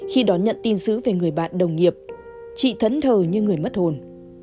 khi đón nhận tin dữ về người bạn đồng nghiệp chị thẫn thờ như người mất hồn